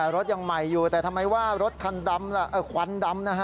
รถยังใหม่อยู่แต่ทำไมว่ารถควันดำ